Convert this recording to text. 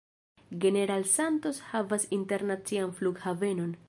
General Santos havas internacian flughavenon.